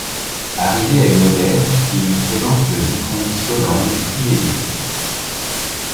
Arrivé à une auberge, il lui présente le vicomte Solange qu’il éduque.